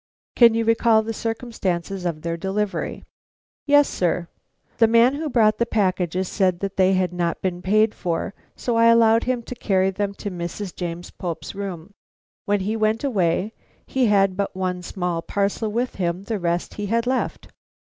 "Can you recall the circumstances of their delivery?" "Yes, sir; the man who brought the packages said that they had not been paid for, so I allowed him to carry them to Mrs. James Pope's room. When he went away, he had but one small parcel with him; the rest he had left."